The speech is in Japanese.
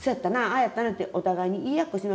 ああやったな」ってお互いに言い合いっこします。